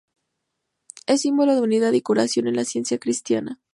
Es símbolo de unidad y curación en la ciencia cristiana.